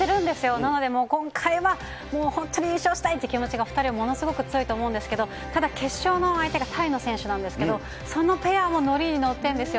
なので、今回はもう本当に優勝したいという気持ちが２人はものすごく強いと思うんですけど、ただ決勝の相手がタイの選手なんですけれども、そのペアも乗りに乗っているんですよ。